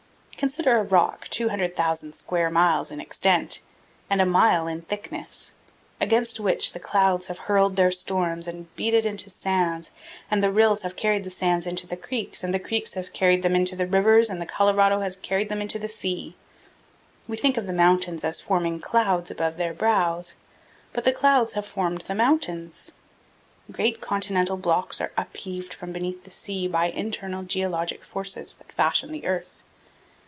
Consider a rock 200,000 square miles in extent and a mile in thickness, against which the clouds have hurled their storms and beat it into sands and the rills have carried the sands into the creeks and the creeks have carried them into the rivers and the Colorado has carried them into the sea. We think of the mountains as forming clouds about their brows, but the clouds have formed the mountains. Great continental blocks are upheaved from beneath the sea by internal geologic forces that fashion the earth.